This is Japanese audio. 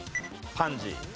パンジー。